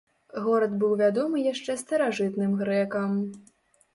Горад быў вядомы яшчэ старажытным грэкам.